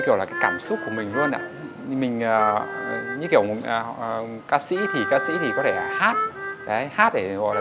kiểu là cảm xúc của mình luôn ạ mình như kiểu một ca sĩ thì ca sĩ thì có thể hát hát để gọi là